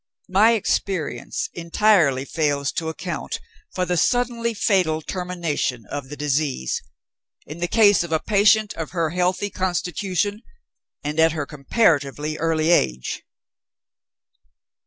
My experience entirely fails to account for the suddenly fatal termination of the disease, in the case of a patient of her healthy constitution, and at her comparatively early age."